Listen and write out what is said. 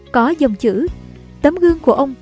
có dòng chữ tấm gương của ông